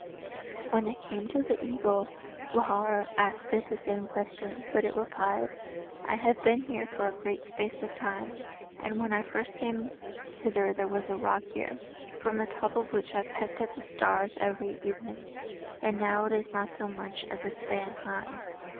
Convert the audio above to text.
When they came to the eagle, Gwrhyr asked it the same question; but it replied, "I have been here for a great space of time, and when I first came hither there was a rock here, from the top of which I pecked at the stars every evening, and now it is not so much as a span high.